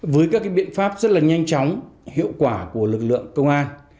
với các biện pháp rất là nhanh chóng hiệu quả của lực lượng công an